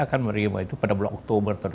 akan menerima itu pada bulan oktober